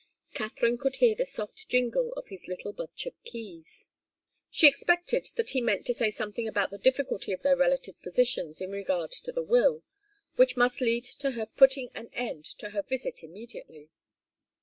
Katharine could hear the soft jingle of his little bunch of keys. She expected that he meant to say something about the difficulty of their relative positions in regard to the will, which must lead to her putting an end to her visit immediately.